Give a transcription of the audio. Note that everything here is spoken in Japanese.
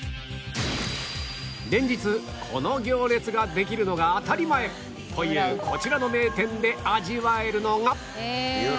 連日この行列ができるのが当たり前というこちらの名店で味わえるのが